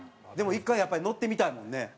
でも一回やっぱり乗ってみたいもんね。